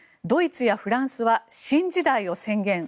ドイツやフランスは新時代を宣言。